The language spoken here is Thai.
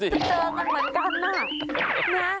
เจอกันเหมือนกันน่ะนะ